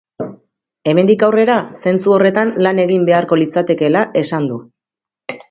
Hemendik aurrera, zentzu horretan lan egin beharko litzatekeela esan du.